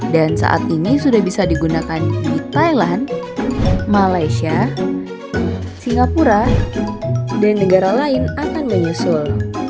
dan saat ini sudah bisa digunakan di thailand malaysia singapura dan negara lain akan menyusul